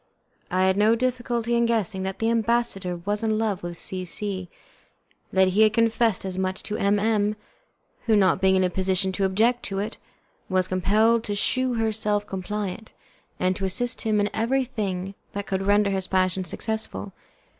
I had no difficulty in guessing that the ambassador was in love with C C , and that he had confessed as much to M M , who, not being in a position to object to it, was compelled to shew herself compliant, and to assist him in everything that could render his passion successful.